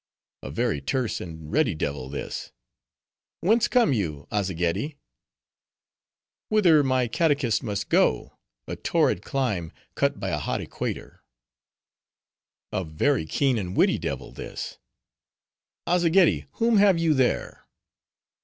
"A very terse, and ready devil, this. Whence come you, Azzageddi?" "Whither my catechist must go—a torrid clime, cut by a hot equator." "A very keen, and witty devil, this. Azzageddi, whom have you there?"